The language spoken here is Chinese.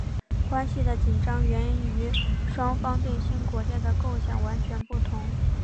关系的紧张源于双方对新国家的构想完全不同。